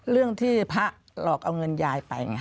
เรื่องที่พระหลอกเอาเงินยายไปไง